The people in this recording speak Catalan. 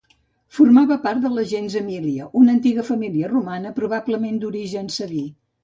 Formava part de la gens Emília, una antiga família romana probablement d'origen sabí.